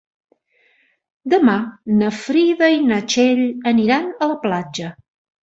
Demà na Frida i na Txell aniran a la platja.